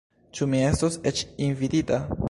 Ĉu mi estos eĉ invitita?